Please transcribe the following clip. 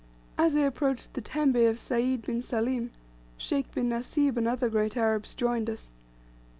As I approached the tembe of Sayd bin Salim, Sheikh bin Nasib and other great Arabs joined us.